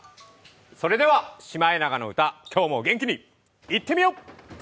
それでは「シマエナガの歌」、今日も元気にいってみよう。